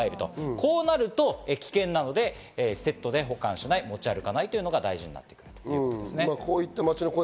こうなると危険なので、セットで保管しない、持ち歩かないということが大事だと言っていますね。